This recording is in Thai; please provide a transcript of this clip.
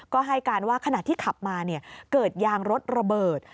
ก็ให้การว่าขณะที่ขับมาเกิดยางรถระเบิด